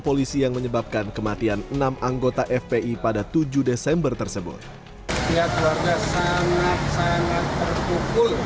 polisi yang menyebabkan kematian enam anggota fpi pada tujuh desember tersebut pihak keluarga sangat sangat terpukul